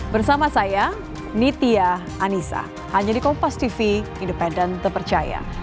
bersama saya nitia anissa hanya di kompas tv independen terpercaya